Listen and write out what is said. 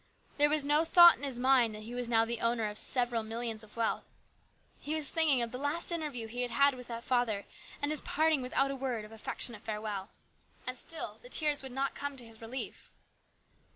There was no thought in his mind that he was now the owner of several millions of wealth. He was thinking of the last interview he had with that father and his parting without a word of affectionate fare well. And still the tears would not come to his relief.